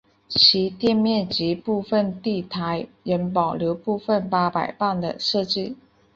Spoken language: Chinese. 其店面及部份地台仍保留部份八佰伴的设计。